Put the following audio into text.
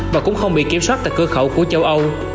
và cũng không bị kiểm soát tại cửa khẩu của châu âu